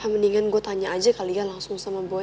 mendingan gue tanya aja kali ya langsung sama boy